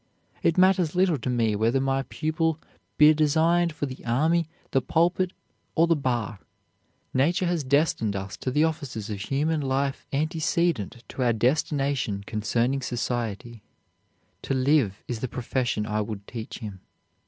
It matters little to me whether my pupil be designed for the army, the pulpit, or the bar. Nature has destined us to the offices of human life antecedent to our destination concerning society. To live is the profession I would teach him.